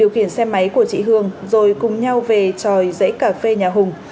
hùng và chị hường rồi cùng nhau về tròi rễ cà phê nhà hùng